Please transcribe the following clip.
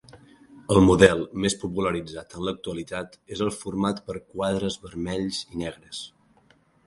El model més popularitzat en l'actualitat és el format per quadres vermells i negres.